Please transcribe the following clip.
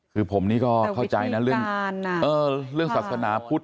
คือผมนี่ก็เข้าใจนะเรื่องศาสนาพุทธ